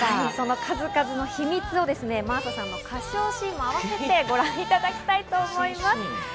数々の秘密を真麻さんの歌唱シーンも併せてご覧いただきたいと思います。